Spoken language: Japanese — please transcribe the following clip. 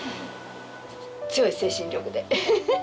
強い精神力で。